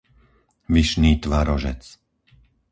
Vyšný Tvarožec